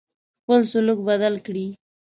خپل سلوک بدل کړی.